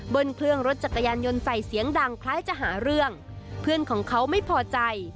เครื่องรถจักรยานยนต์ใส่เสียงดังคล้ายจะหาเรื่องเพื่อนของเขาไม่พอใจ